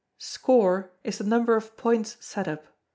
Score, is the number of points set up.